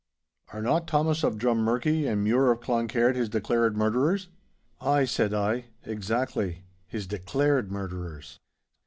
Are not Thomas of Drummurchie and Mure of Cloncaird his declared murderers?' 'Ay,' said I, 'exactly—his "declared" murderers.